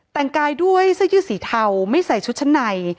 แต่งกายด้วยเสื้อยืดสีเทาไม่ใส่ชุดชั้นใน